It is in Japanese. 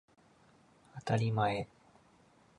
あたりまえ